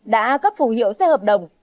đã cấp phù hiệu xe hợp đồng